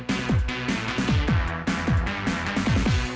ya saya selalu membackup kamu